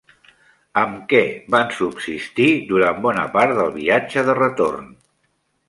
Amb què van subsistir durant bona part del viatge de retorn?